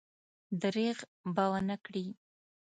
درېغ به ونه کړي.